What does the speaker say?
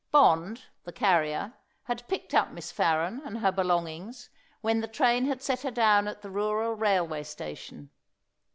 Bond, the carrier, had picked up Miss Farren and her belongings when the train had set her down at the rural railway station.